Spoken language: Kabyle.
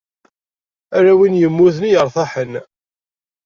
Ala win immuten i yeṛtaḥen.